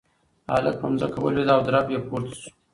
هلک په ځمکه ولوېد او درب یې پورته شو.